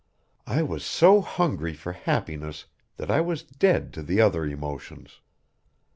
I was so hungry for happiness that I was dead to the other emotions.